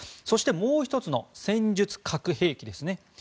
そしてもう１つの戦術核兵器ですね。